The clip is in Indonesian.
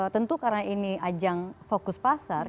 tentu karena ini ajang fokus pasar